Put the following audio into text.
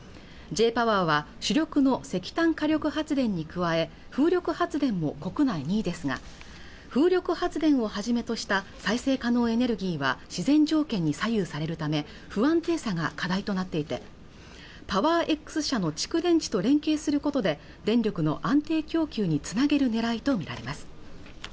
Ｊ−ＰＯＷＥＲは主力の石炭火力発電に加え風力発電も国内２位ですが風力発電をはじめとした再生可能エネルギーは自然条件に左右されるため不安定さが課題となっていてパワーエックス社の蓄電池と連携することで電力の安定供給につなげるねらいと見られます